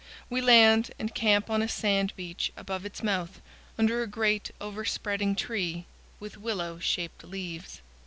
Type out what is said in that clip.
We land and camp on a sand beach above its mouth, under a great, overspreading tree with willow shaped leaves.